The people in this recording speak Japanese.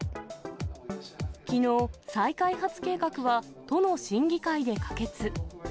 きのう、再開発計画は都の審議会で可決。